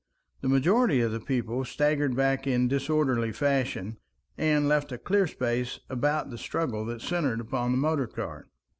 The majority of the people scattered back in a disorderly fashion, and left a clear space about the struggle that centered upon the motor car.